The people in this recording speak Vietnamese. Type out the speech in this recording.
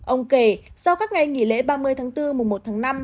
ông kể sau các ngày nghỉ lễ ba mươi tháng bốn mùa một tháng năm